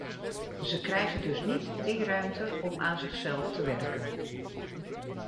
Ze krijgen dus niet die ruimte om aan zichzelf te werken.